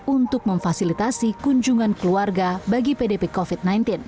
untuk memfasilitasi kunjungan keluarga bagi pdp covid sembilan belas